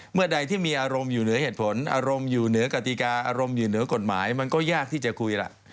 เมื่อใดที่มีอารมณ์อยู่เหนือเหตุผลอารมณ์อยู่เหนือกติกาอารมณ์อยู่เหนือกฎหมายมันก็ยากที่จะคุยล่ะ